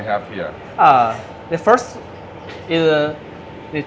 เก่งสดหิวของเชน่า